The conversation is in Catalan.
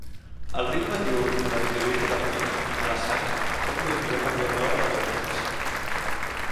El ritme diürn dels nivells de leptina a la sang es pot modificar canviant l'hora dels menjars.